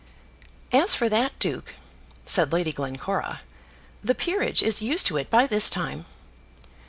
"As for that, duke," said Lady Glencora, "the peerage is used to it by this time."